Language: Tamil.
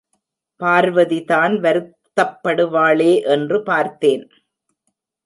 பார்வதிதான் வருத்தப்படுவாளே என்று பார்த்தேன்.